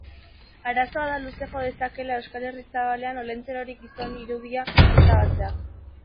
Arazoa da luze jo dezakeela Euskal Herri zabalean Olentzerori gizon irudia ezabatzeak